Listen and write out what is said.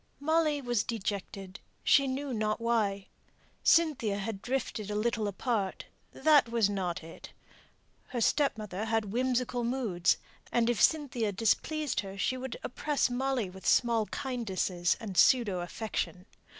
Molly was dejected, she knew not why. Cynthia had drifted a little apart; that was not it. Her stepmother had whimsical moods; and if Cynthia displeased her, she would oppress Molly with small kindnesses and pseudo affection.